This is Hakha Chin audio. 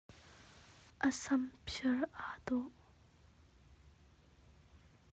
A samphiar aa dawh.